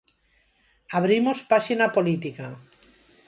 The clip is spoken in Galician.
Abrimos páxina política.